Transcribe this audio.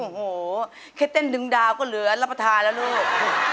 โอ้โหแค่เต้นดึงดาวก็เหลือรับประทานแล้วลูก